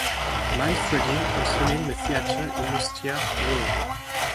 Manfredi also named a theatre in Ostia, Rome.